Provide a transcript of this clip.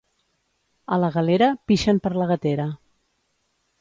A la Galera pixen per la gatera.